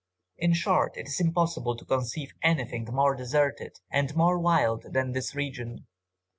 In short, it is impossible to conceive anything more deserted, or more wild than this region."